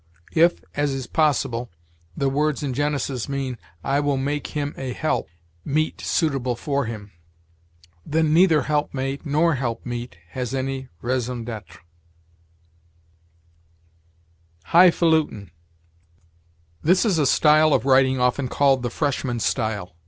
If, as is possible, the words in Genesis mean, "I will make him a help, meet [suitable] for him," then neither helpmate nor helpmeet has any raison d'être. HIGHFALUTIN. This is a style of writing often called the freshman style.